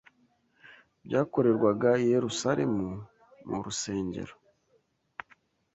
byakorerwaga i Yerusalemu mu rusengero.